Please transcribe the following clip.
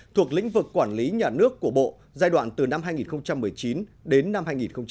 thuộc lĩnh vực quản lý nhà nước của bộ giai đoạn từ năm hai nghìn một mươi chín đến năm hai nghìn hai mươi